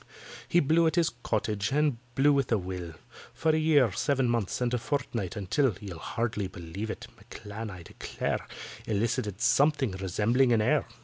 He blew at his "Cottage," and blew with a will, For a year, seven months, and a fortnight, until (You'll hardly believe it) M'CLAN, I declare, Elicited something resembling an air.